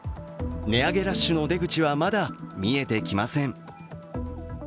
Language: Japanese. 値上げラッシュの出口はまだ見えてきません。